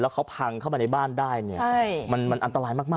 เขาพังเข้ามาในบ้านได้เนี่ยมันอันตรายมาก